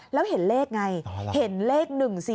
แล้วเห็นเลขไงเห็นเลข๑๔